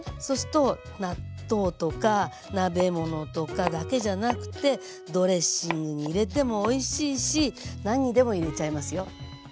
そうすると納豆とか鍋物とかだけじゃなくてドレッシングに入れてもおいしいし何にでも入れちゃいますよ。